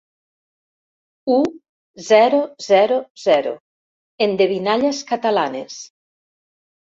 U.zero zero zero endevinalles catalanes.